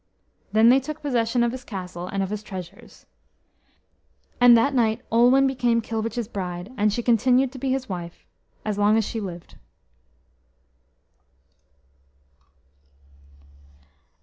Then they took possession of his castle, and of his treasures. And that night Olwen became Kilwich's bride, and she continued to be his wife as long as she lived.